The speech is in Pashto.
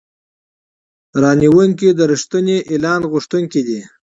پیرودونکی د رښتیني اعلان غوښتونکی دی.